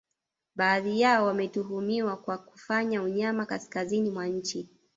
Baadhi yao wametuhumiwa kwa kufanya unyama kaskazini mwa nchi